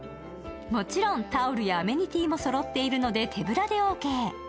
もちろんタオルやアメニティもそろっているので手ぶらでオーケー。